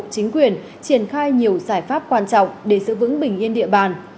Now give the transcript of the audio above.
chính quyền triển khai nhiều giải pháp quan trọng để giữ vững bình yên địa bàn